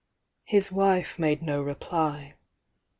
His wife made no reply.